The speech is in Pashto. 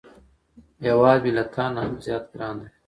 هیواد مې له تا نه هم زیات ګران دی